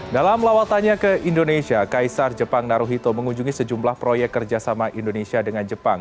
dalam lawatannya ke indonesia kaisar jepang naruhito mengunjungi sejumlah proyek kerjasama indonesia dengan jepang